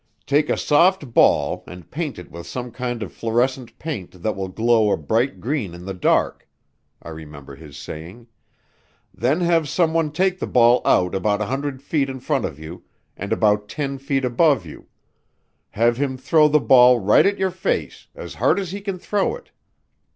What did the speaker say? "Take a soft ball and paint it with some kind of fluorescent paint that will glow a bright green in the dark," I remember his saying, "then have someone take the ball out about 100 feet in front of you and about 10 feet above you. Have him throw the ball right at your face, as hard as he can throw it.